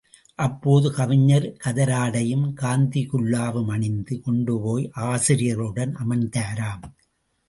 அப்போது, கவிஞர் கதராடையும் காந்தி குல்லாவும் அணிந்து கொண்டு போய் ஆசிரியர்களுடன் அமர்ந்தாராம்.